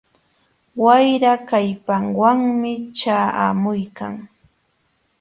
Wayra kallpawanmi ćhaamuykan.